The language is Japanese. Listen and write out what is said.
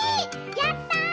やったぁ！